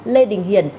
lê đình hiển